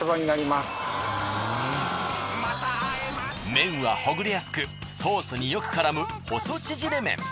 麺はほぐれやすくソースによく絡む細ちぢれ麺。